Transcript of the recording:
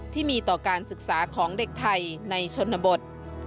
ที่มีต่อการศึกษาของเด็กไทยในชนบท